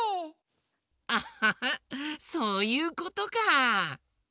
アハハそういうことか。